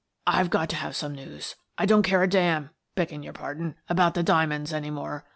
I've just got to have some news. I don't care a damn — begging your pardon — about the dia monds any more.